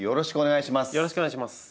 よろしくお願いします！